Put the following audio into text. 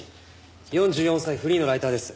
４４歳フリーのライターです。